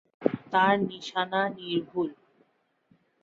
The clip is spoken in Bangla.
তার নিশানা নির্ভুল।